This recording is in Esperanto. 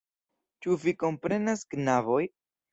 Ĉu vi komprenas, knaboj?